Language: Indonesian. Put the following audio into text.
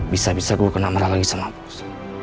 bisa bisa gua kena marah lagi sama pos